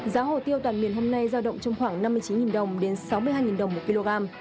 giá hồ tiêu toàn miền hôm nay giao động trong khoảng năm mươi chín đồng đến sáu mươi hai đồng một kg